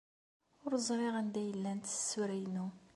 Ur ẓriɣ anda ay llant tsura-inu.